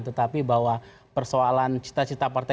tetapi bahwa persoalan cita cita partai